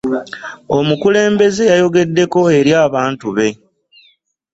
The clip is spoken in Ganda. Omukulembeze yayogeddeko eri abantu be .